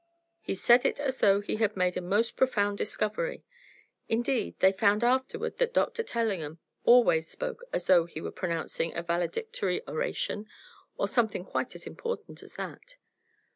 He said it as though he had made a most profound discovery. Indeed, they found afterward that Doctor Tellingham always spoke as though he were pronouncing a valedictory oration, or something quite as important as that.